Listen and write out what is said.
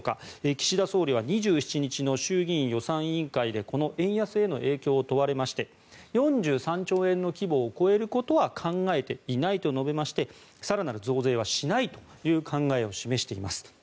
岸田総理は２７日の衆議院予算委員会でこの円安への影響を問われまして４３兆円の規模を超えることは考えていないと述べまして更なる増税はしないという考えを示しています。